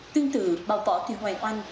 tương tự bà võ thùy hoàng oanh